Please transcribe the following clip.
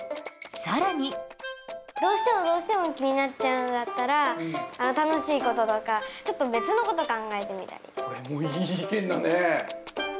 どうしてもどうしても気になっちゃうんだったら、楽しいこととか、ちょっと別のこと考えてみそれもいい意見だね。